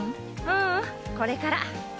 ううん。これから。